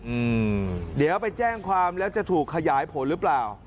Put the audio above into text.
อืมเดี๋ยวไปแจ้งความแล้วจะถูกขยายผลหรือเปล่า